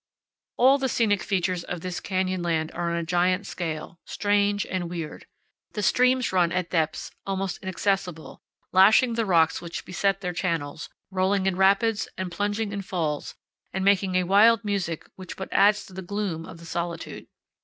All the scenic features of this canyon land are on a giant scale, strange and weird. The streams run at depths almost inaccessible, lashing the rocks which beset their channels, rolling in rapids and plunging in falls, and making a wild music which but adds to the gloom of the solitude.